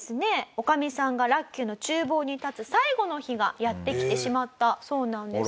女将さんが楽久の厨房に立つ最後の日がやってきてしまったそうなんです。